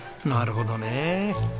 なるほどね。